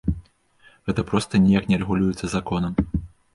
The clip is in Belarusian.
Гэта проста ніяк не рэгулюецца законам.